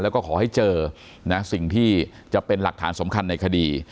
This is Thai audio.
แล้วก็ขอให้เจอนะสิ่งที่จะเป็นหลักฐานสำคัญในคดี